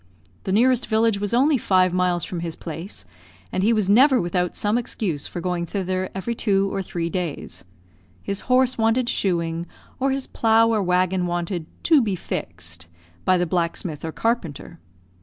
The nearest village was only five miles from his place, and he was never without some excuse for going thither every two or three days. His horse wanted shoeing, or his plough or waggon wanted "to be fixed" by the blacksmith or carpenter.